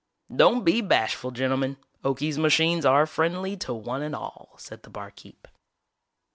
"Don't be bashful, gentlemen. Okie's machines are friendly to one and all," said the barkeep.